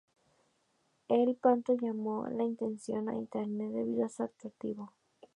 Allí pronto llamó la atención en Internet debido a su atractivo.